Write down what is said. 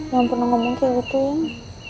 jangan pernah ngomong kayak gitu ya